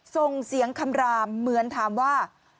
ส่งเสียงคำรามเหมือนถามว่า